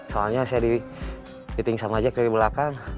soalnya saya di hitting sama jack dari belakang